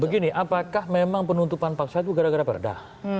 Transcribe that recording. begini apakah memang penutupan paksa itu gara gara perda